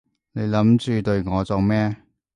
你諗住對我做咩？